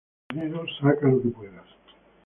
De lo perdido saca lo que puedas.